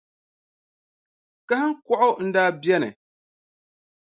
Kahiŋkɔɣu n-daa beni.